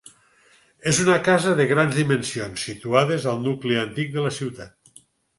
És una casa de grans dimensions situades al nucli antic de la ciutat.